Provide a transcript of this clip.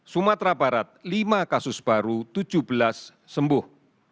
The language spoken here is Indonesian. sumatera barat lima kasus baru tujuh belas sembuh